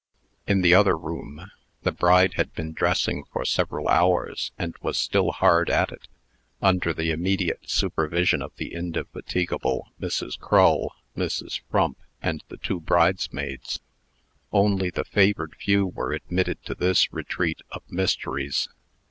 In the other room, the bride had been dressing for several hours, and was still hard at it, under the immediate supervision of the indefatigable Mrs. Crull, Mrs. Frump, and the two bridesmaids. Only the favored few were admitted to this retreat of mysteries.